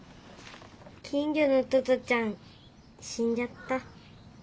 金魚のトトちゃんしんじゃった。